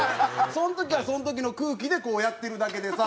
その時はその時の空気でこうやってるだけでさ。